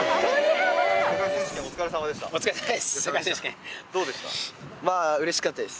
お疲れさまです